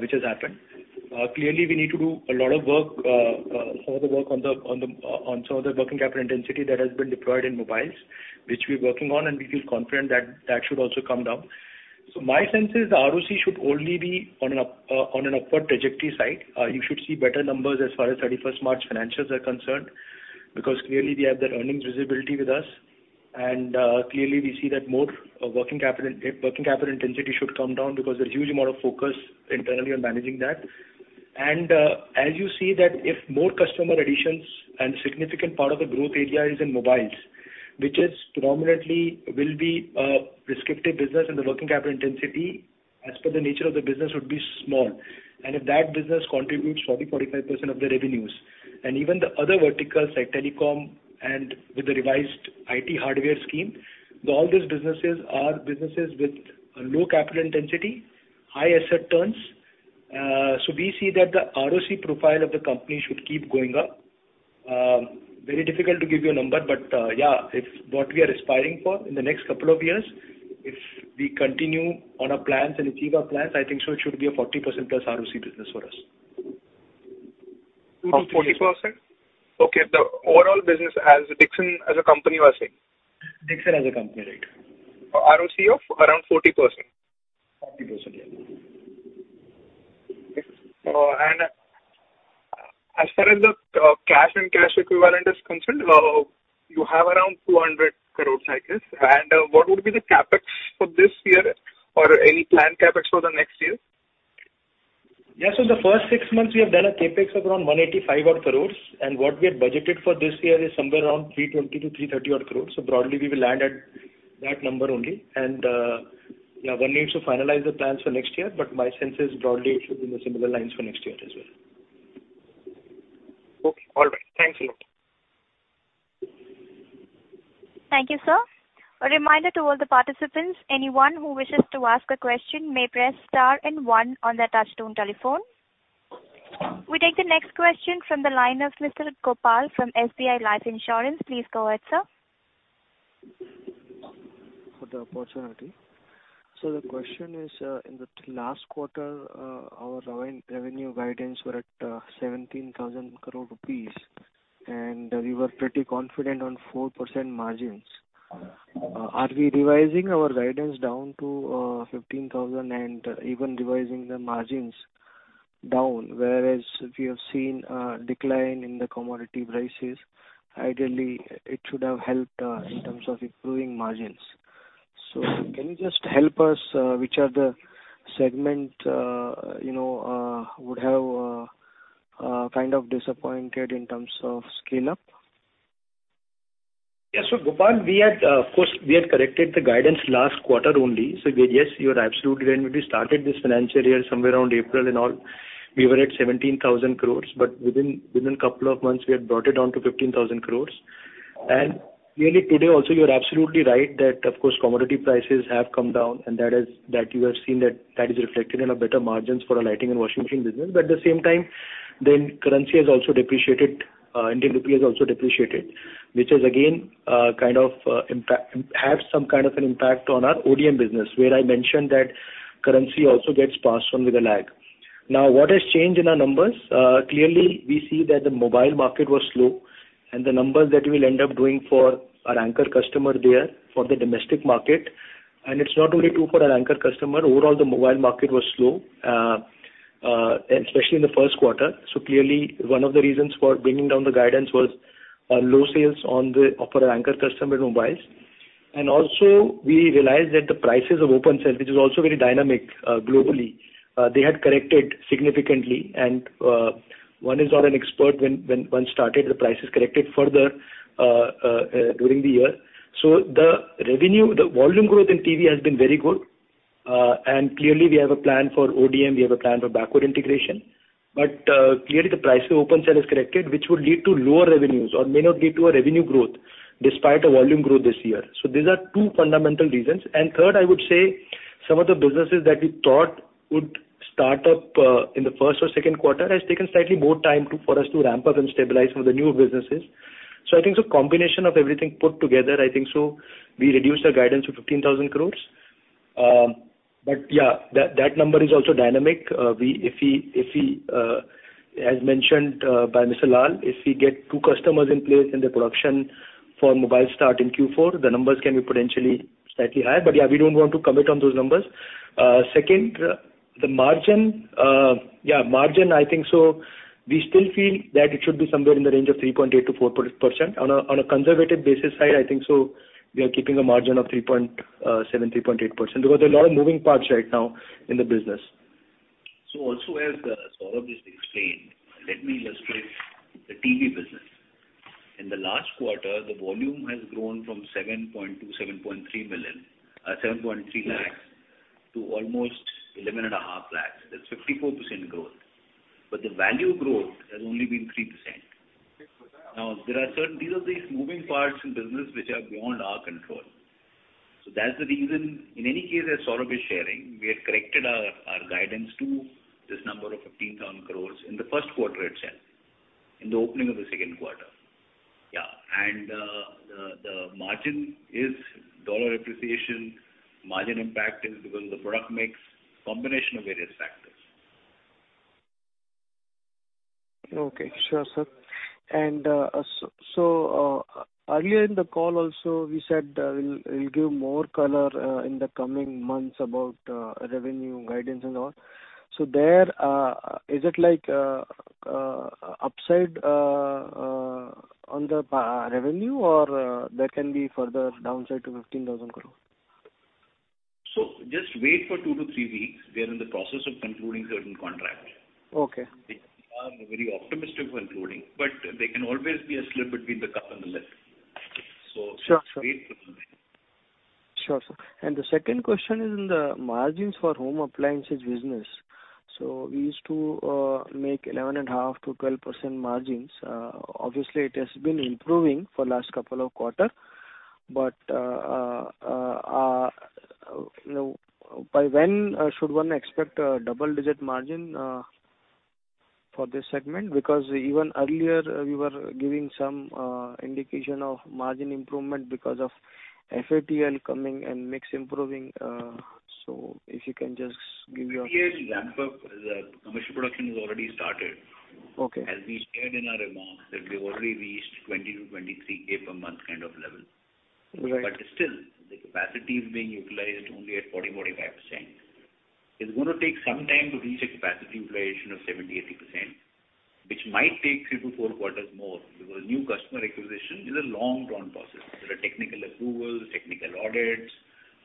which has happened. Clearly we need to do a lot of work, some of the work on the working capital intensity that has been deployed in mobiles, which we are working on, and we feel confident that that should also come down. My sense is the ROC should only be on an upward trajectory side. You should see better numbers as far as March 31st financials are concerned because clearly we have that earnings visibility with us and clearly we see that working capital intensity should come down because there's huge amount of focus internally on managing that. As you see that if more customer additions and significant part of the growth area is in mobiles, which is predominantly will be a prescriptive business and the working capital intensity as per the nature of the business would be small. If that business contributes 40%-45% of the revenues, and even the other verticals like telecom and with the revised IT hardware scheme, all these businesses are businesses with a low capital intensity, high asset turns. We see that the ROC profile of the company should keep going up. Very difficult to give you a number, but, yeah, it's what we are aspiring for in the next couple of years. If we continue on our plans and achieve our plans, I think so it should be a 40%+ ROC business for us. Of 40%? Okay. The overall business as Dixon as a company, we are saying. Dixon as a company, right? ROC of around 40%. 40%, yeah. As far as the cash and cash equivalent is concerned, you have around 200 crore, I guess. What would be the CapEx for this year or any planned CapEx for the next year? The first six months we have done a CapEx of around 185 odd crores. What we have budgeted for this year is somewhere around 320 crores-330 odd crores. Broadly, we will land at that number only. One needs to finalize the plans for next year, but my sense is broadly it should be in the similar lines for next year as well. Okay. All right. Thanks a lot. Thank you, sir. A reminder to all the participants, anyone who wishes to ask a question may press star and one on their touchtone telephone. We take the next question from the line of Mr. Gopal from SBI Life Insurance. Please go ahead, sir. For the opportunity. The question is, in the last quarter, our revenue guidance were at 17,000 crore rupees, and we were pretty confident on 4% margins. Are we revising our guidance down to 15,000 and even revising the margins down? Whereas if you have seen a decline in the commodity prices, ideally it should have helped in terms of improving margins. Can you just help us, which are the segment would have kind of disappointed in terms of scale-up? Yeah. Gopal, we had, of course, corrected the guidance last quarter only. Yes, you are absolutely right. When we started this financial year, somewhere around April and all, we were at 17,000 crore. Within a couple of months we had brought it down to 15,000 crore. Really today also, you are absolutely right that, of course, commodity prices have come down. You have seen that is reflected in better margins for our lighting and washing machine business. At the same time, the currency has also depreciated. Indian rupee has also depreciated, which has again had some kind of an impact on our ODM business, where I mentioned that currency also gets passed on with a lag. Now, what has changed in our numbers? Clearly we see that the mobile market was slow and the numbers that we'll end up doing for our anchor customer there for the domestic market. It's not only true for our anchor customer. Overall, the mobile market was slow, especially in the first quarter. Clearly one of the reasons for bringing down the guidance was low sales of our anchor customer mobiles. Also we realized that the prices of open cell, which is also very dynamic globally, they had corrected significantly. One is not an expert when one started, the price corrected further during the year. The revenue, the volume growth in TV has been very good. Clearly we have a plan for ODM. We have a plan for backward integration. Clearly the price of open cell has corrected, which will lead to lower revenues or may not lead to a revenue growth despite a volume growth this year. These are two fundamental reasons. Third, I would say some of the businesses that we thought would start up in the first or second quarter has taken slightly more time for us to ramp up and stabilize some of the new businesses. I think it's a combination of everything put together, I think so we reduced our guidance to INR 15,000 crore. That number is also dynamic. As mentioned by Mr. Lall, if we get two customers in place in the production for mobile start in Q4, the numbers can be potentially slightly higher. Yeah, we don't want to commit on those numbers. Second, the margin. Yeah, margin, I think so we still feel that it should be somewhere in the range of 3.8%-4%. On a conservative basis side, I think so we are keeping a margin of 3.7, 3.8% because there are a lot of moving parts right now in the business. Also as Saurabh just explained, let me illustrate the TV business. In the last quarter, the volume has grown from 7.3 lakhs to almost 11.5 lakhs. That's 54% growth. The value growth has only been 3%. There are certain moving parts in business which are beyond our control. That's the reason in any case, as Saurabh is sharing, we had corrected our guidance to this number of 15,000 crore in the first quarter itself, in the opening of the second quarter. The margin is dollar appreciation. Margin impact is because the product mix combination of various factors. Okay. Sure, sir. Earlier in the call also, we said we'll give more color in the coming months about revenue guidance and all. Is there like upside on the revenue or there can be further downside to 15,000 crore? Just wait for two-three weeks. We are in the process of concluding certain contracts. Okay. We are very optimistic of concluding, but there can always be a slip between the cup and the lip. Just wait for some time. Sure, sir. The second question is in the margins for home appliances business. We used to make 11.5%-12% margins. Obviously it has been improving for last couple of quarter. You know, by when should one expect a double-digit margin for this segment? Because even earlier we were giving some indication of margin improvement because of FATL coming and mix improving. If you can just give your- Clearly, ramp up the commercial production has already started. Okay. As we shared in our remarks that we've already reached 20-23K per month kind of level. Right. Still the capacity is being utilized only at 40%-45%. It's gonna take some time to reach a capacity utilization of 70%-80%, which might take three-four quarters more because new customer acquisition is a long drawn process. There are technical approvals, technical audits,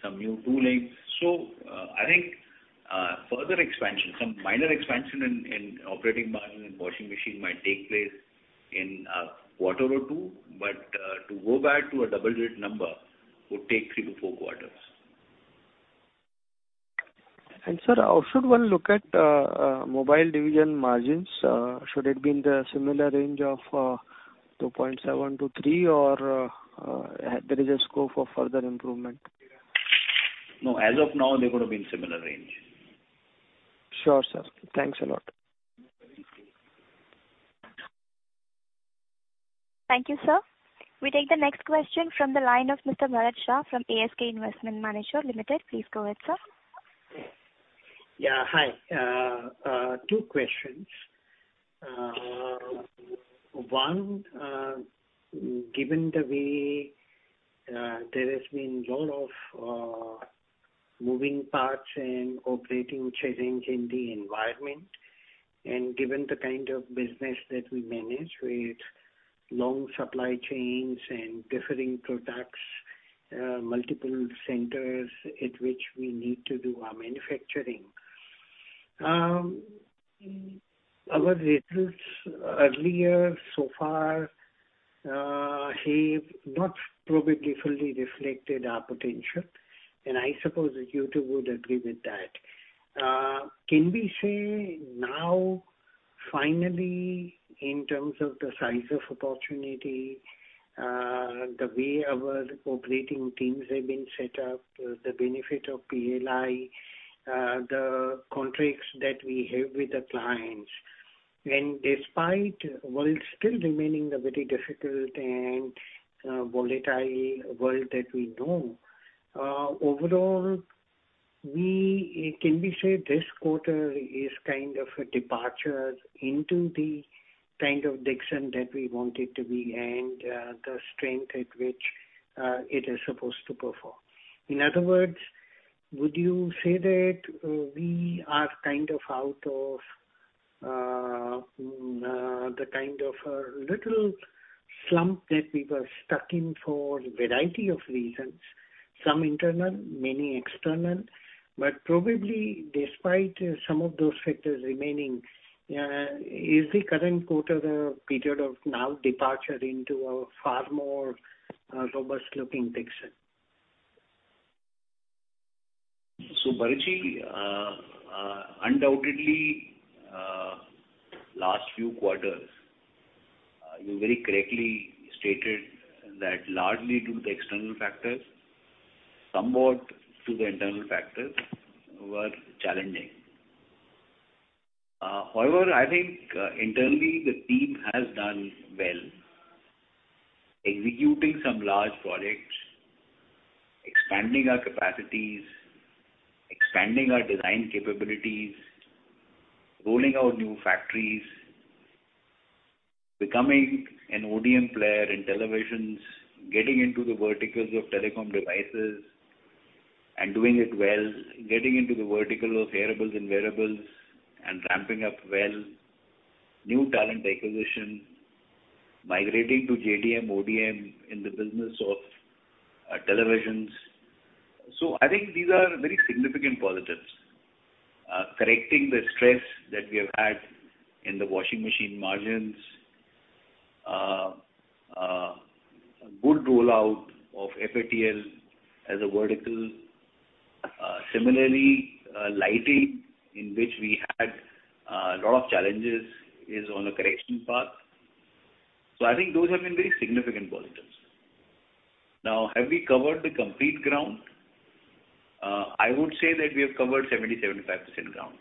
some new toolings. I think further expansion, some minor expansion in operating margin in washing machine might take place in a quarter or two. To go back to a double-digit number would take three-four quarters. Sir, how should one look at mobile division margins? Should it be in the similar range of 2.7%-3% or there is a scope for further improvement? No, as of now, they would have been similar range. Sure, sir. Thanks a lot. Thank you, sir. We take the next question from the line of Mr. Bharat Shah from ASK Investment Managers Limited. Please go ahead, sir. Yeah, hi. Two questions. One, given the way there has been a lot of moving parts and operating challenges in the environment, and given the kind of business that we manage with long supply chains and differing products, multiple centers at which we need to do our manufacturing, our results earlier so far have not probably fully reflected our potential, and I suppose you two would agree with that. Can we say now, finally, in terms of the size of opportunity, the way our operating teams have been set up, the benefit of PLI, the contracts that we have with the clients, and despite world still remaining a very difficult and, volatile world that we know, overall, can we say this quarter is kind of a departure into the kind of direction that we want it to be and, the strength at which, it is supposed to perform? In other words, would you say that, we are kind of out of, the kind of a little slump that we were stuck in for a variety of reasons, some internal, many external, but probably despite some of those factors remaining, is the current quarter the period of now departure into a far more, robust looking picture? Bharat Shah, undoubtedly, last few quarters, you very correctly stated that largely due to the external factors, somewhat due to the internal factors, were challenging. However, I think, internally the team has done well, executing some large projects, expanding our capacities, expanding our design capabilities, rolling out new factories, becoming an ODM player in televisions, getting into the verticals of telecom devices and doing it well, getting into the vertical of wearables and ramping up well, new talent acquisition, migrating to JDM, ODM in the business of, televisions. I think these are very significant positives. Correcting the stress that we have had in the washing machine margins. Good rollout of FATL as a vertical. Similarly, lighting, in which we had, lot of challenges is on a correction path. I think those have been very significant positives. Now, have we covered the complete ground? I would say that we have covered 70-75% ground.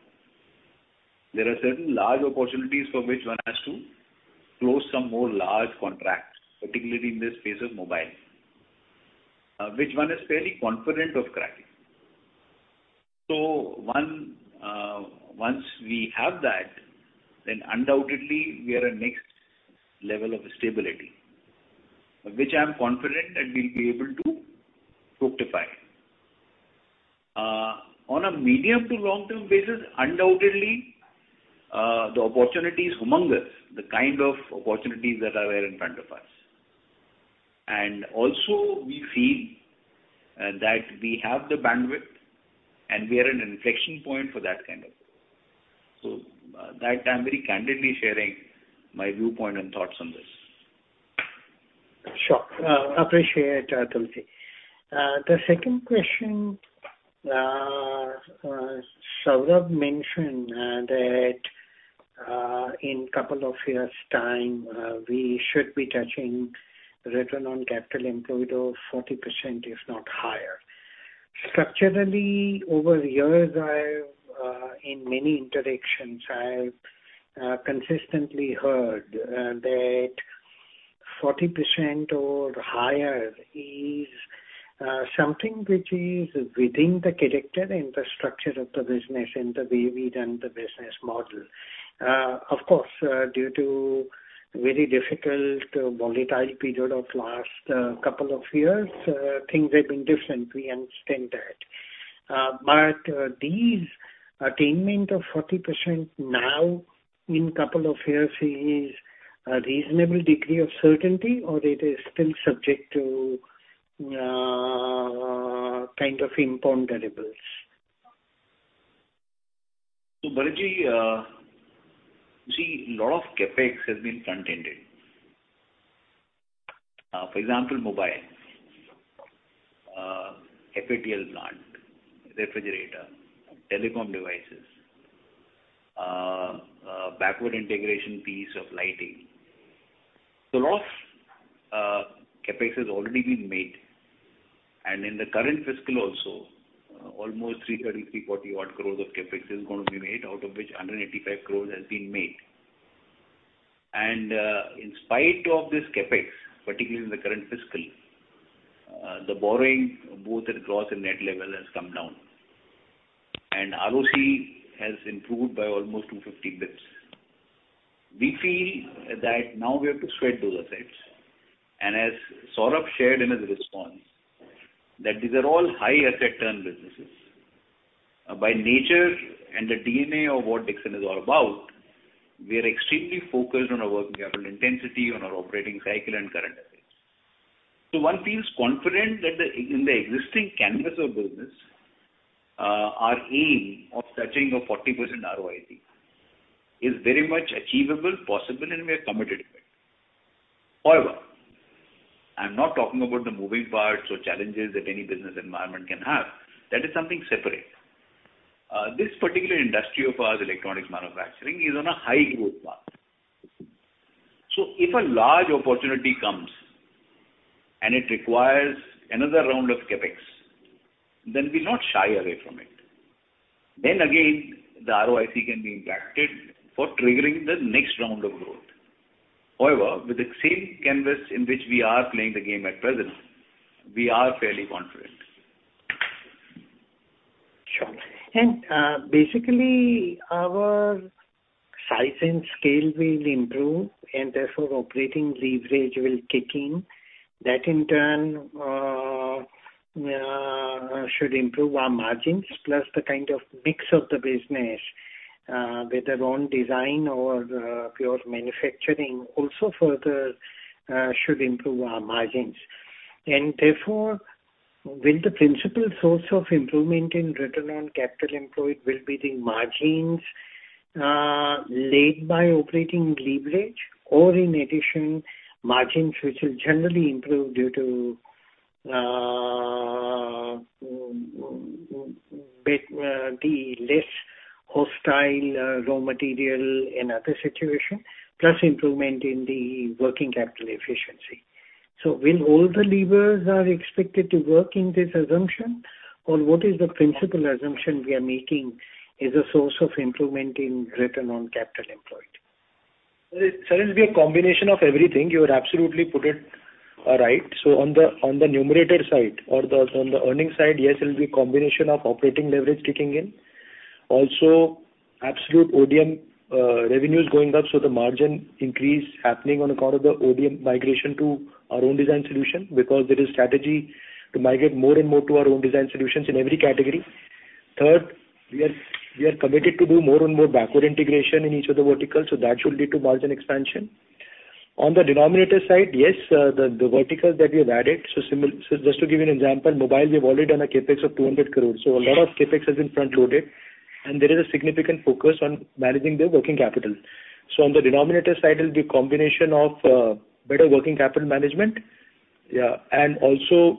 There are certain large opportunities for which one has to close some more large contracts, particularly in the space of mobile, which one is fairly confident of cracking. Once we have that, then undoubtedly we are at next level of stability, which I am confident that we'll be able to fructify. On a medium to long-term basis, undoubtedly, the opportunity is humongous, the kind of opportunities that are there in front of us. Also we feel that we have the bandwidth and we are at an inflection point for that kind of thing. That I'm very candidly sharing my viewpoint and thoughts on this. Sure. Appreciate, Atul. The second question, Saurabh mentioned, that in couple of years' time, we should be touching return on capital employed of 40%, if not higher. Structurally, over the years, in many interactions, I've consistently heard, that 40% or higher is something which is within the character and the structure of the business and the way we run the business model. Of course, due to very difficult volatile period of last couple of years, things have been different, we understand that. These attainment of 40% now in couple of years is a reasonable degree of certainty or it is still subject to kind of imponderables. Bharat Shah, you see, lot of CapEx has been front-ended. For example, mobile, FATL plant, refrigerator, telecom devices, backward integration piece of lighting. Lot of CapEx has already been made. In the current fiscal also, almost 330-340 crore of CapEx is gonna be made, out of which 185 crore has been made. In spite of this CapEx, particularly in the current fiscal, the borrowing both at gross and net level has come down. ROC has improved by almost 250 basis points. We feel that now we have to spread those assets. As Saurabh Gupta shared in his response, that these are all high asset turn businesses. By nature and the DNA of what Dixon is all about, we are extremely focused on our working capital intensity, on our operating cycle and current assets. One feels confident that in the existing canvas of business, our aim of touching a 40% ROIC is very much achievable, possible, and we are committed to it. However, I'm not talking about the moving parts or challenges that any business environment can have. That is something separate. This particular industry of ours, electronics manufacturing, is on a high growth path. If a large opportunity comes and it requires another round of CapEx, then we'll not shy away from it. Then again, the ROIC can be impacted for triggering the next round of growth. However, with the same canvas in which we are playing the game at present, we are fairly confident. Sure. Basically, our size and scale will improve, and therefore, operating leverage will kick in. That in turn should improve our margins, plus the kind of mix of the business, whether own design or pure manufacturing also further should improve our margins. Therefore, will the principal source of improvement in return on capital employed will be the margins led by operating leverage, or in addition, margins which will generally improve due to the less hostile raw material and other situation, plus improvement in the working capital efficiency. Will all the levers are expected to work in this assumption? Or what is the principal assumption we are making as a source of improvement in return on capital employed? Sir, it'll be a combination of everything. You have absolutely put it right. On the numerator side or the earnings side, yes, it'll be a combination of operating leverage kicking in. Also absolute ODM revenues going up, so the margin increase happening on account of the ODM migration to our own design solution, because there is strategy to migrate more and more to our own design solutions in every category. Third, we are committed to do more and more backward integration in each of the verticals, so that should lead to margin expansion. On the denominator side, yes, the verticals that we have added. Just to give you an example, mobile, we have already done a CapEx of 200 crores. A lot of CapEx has been front-loaded, and there is a significant focus on managing the working capital. On the denominator side, it'll be a combination of better working capital management, and also,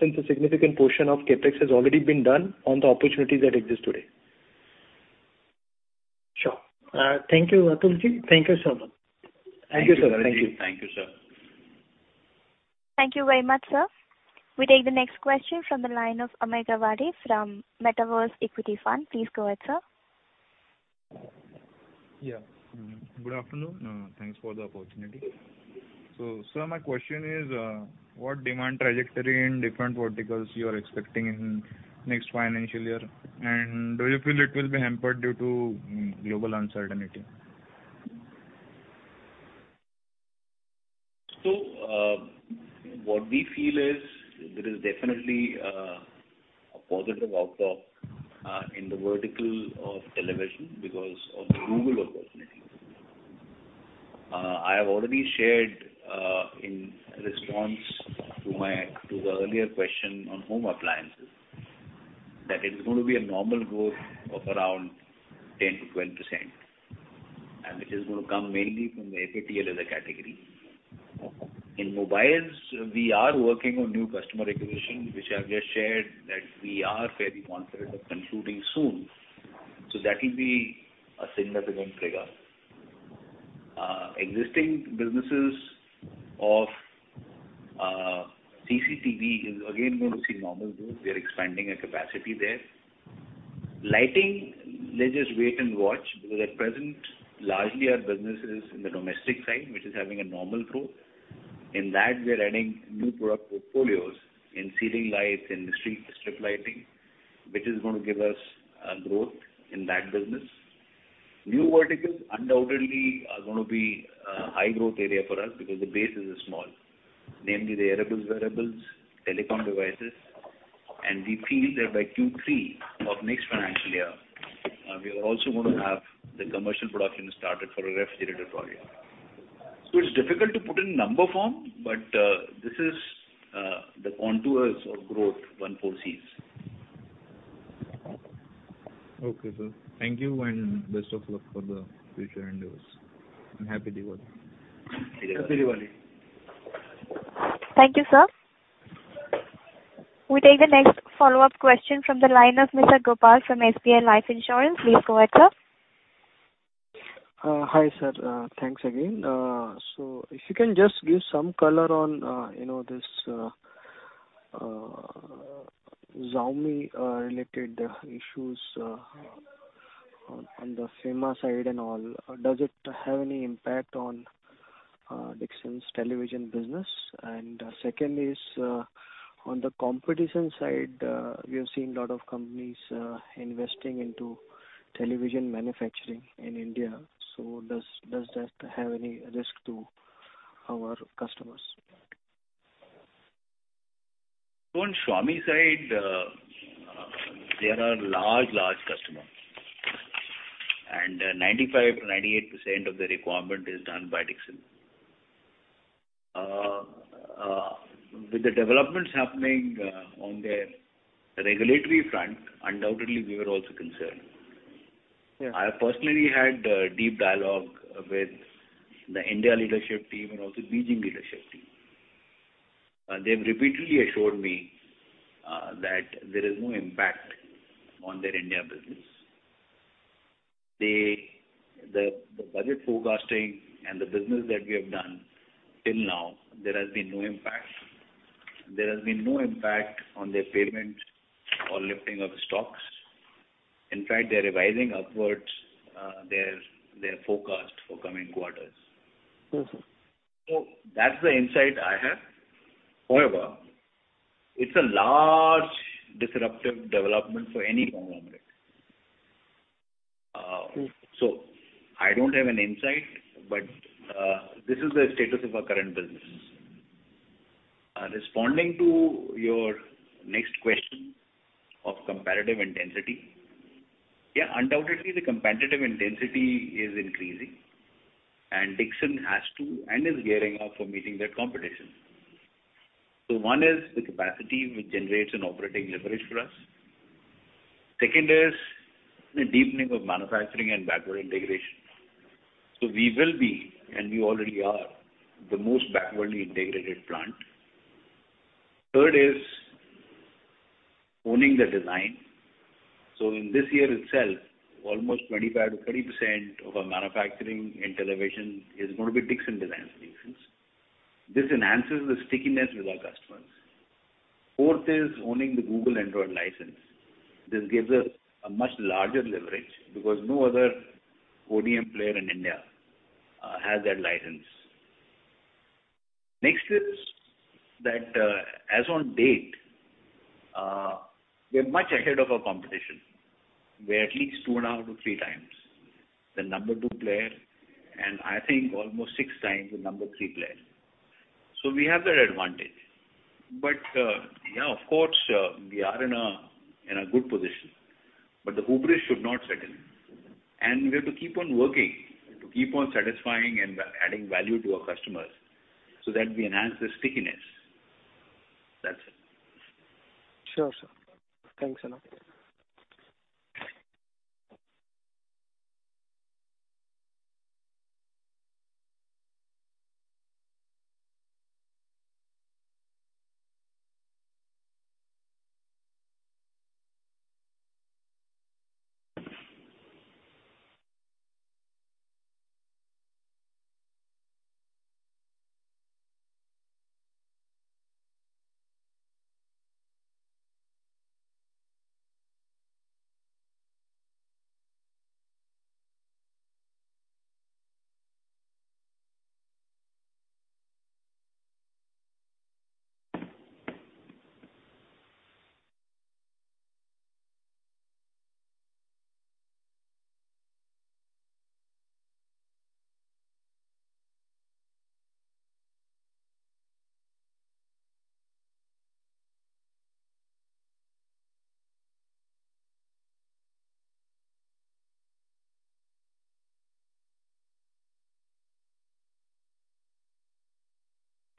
since a significant portion of CapEx has already been done on the opportunities that exist today. Sure. Thank you, Atulji. Thank you, Saurabh. Thank you, Sir. Thank you, Bharat Shah. Thank you, sir. Thank you very much, sir. We take the next question from the line of Amit Ghawade from Metaverse Equity Fund. Please go ahead, sir. Yeah. Good afternoon. Thanks for the opportunity. Sir, my question is, what demand trajectory in different verticals you are expecting in next financial year? Do you feel it will be hampered due to global uncertainty? What we feel is there is definitely a positive outlook in the vertical of electronics because of the rural opportunity. I have already shared in response to an earlier question on home appliances, that it's going to be a normal growth of around 10%-20%, and which is gonna come mainly from the FATL as a category. In mobiles, we are working on new customer acquisition, which I've just shared that we are fairly confident of concluding soon. That'll be a significant trigger. Existing businesses of CCTV is again going to see normal growth. We are expanding our capacity there. Lighting, let's just wait and watch, because at present, largely our business is in the domestic side, which is having a normal growth. In that, we are adding new product portfolios in ceiling lights, in street strip lighting. Which is going to give us growth in that business. New verticals undoubtedly are gonna be a high growth area for us because the base is small, namely the wearables, telecom devices, and we feel that by Q3 of next financial year, we are also going to have the commercial production started for a ref-related volume. It's difficult to put in number form, but this is the contours of growth one foresees. Okay, sir. Thank you and best of luck for the future endeavors and Happy Diwali. Happy Diwali. Thank you, sir. We take the next follow-up question from the line of Mr. Gopal from SBI Life Insurance. Please go ahead, sir. Hi, sir. Thanks again. If you can just give some color on, you know, this Xiaomi-related issues on the FEMA side and all. Does it have any impact on Dixon's television business? Second is on the competition side, we have seen a lot of companies investing into television manufacturing in India. Does that have any risk to our customers? On Xiaomi side, they are a large customer, and 95%-98% of the requirement is done by Dixon. With the developments happening on their regulatory front, undoubtedly we were also concerned. Yeah. I personally had a deep dialogue with the India leadership team and also Beijing leadership team. They've repeatedly assured me that there is no impact on their India business. The budget forecasting and the business that we have done till now, there has been no impact. There has been no impact on their payment or lifting of stocks. In fact, they're revising upwards their forecast for coming quarters. Mm-hmm. That's the insight I have. However, it's a large disruptive development for any conglomerate. Mm-hmm. I don't have an insight, but, this is the status of our current business. Responding to your next question of competitive intensity. Yeah, undoubtedly, the competitive intensity is increasing and Dixon has to and is gearing up for meeting that competition. One is the capacity which generates an operating leverage for us. Second is the deepening of manufacturing and backward integration. We will be, and we already are, the most backward integrated plant. Third is owning the design. In this year itself, almost 25%-30% of our manufacturing in television is gonna be Dixon design solutions. This enhances the stickiness with our customers. Fourth is owning the Google Android license. This gives us a much larger leverage because no other ODM player in India has that license. Next is that, as on date, we are much ahead of our competition. We are at least 2.5x-3x the number two player, and I think almost 6x the number three player. We have that advantage. But, yeah, of course, we are in a good position, but the hubris should not set in. We have to keep on working to keep on satisfying and adding value to our customers so that we enhance the stickiness. That's it. Sure, sir. Thanks a lot.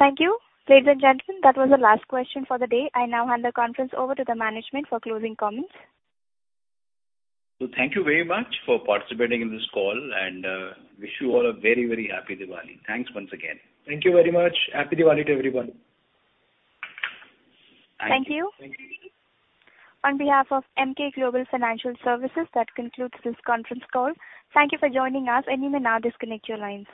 Thank you. Ladies and gentlemen, that was the last question for the day. I now hand the conference over to the management for closing comments. Thank you very much for participating in this call and wish you all a very, very happy Diwali. Thanks once again. Thank you very much. Happy Diwali to everyone. Thank you. Thank you. On behalf of Emkay Global Financial Services, that concludes this conference call. Thank you for joining us, and you may now disconnect your lines.